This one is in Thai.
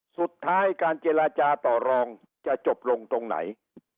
สุดท้ายการเจรจาต่อรองจะจบลงตรงไหน